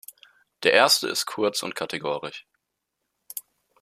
Der erste ist kurz und kategorisch.